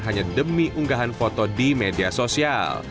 hanya demi unggahan foto di media sosial